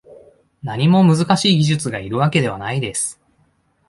何も難しい技術がいるわけではないです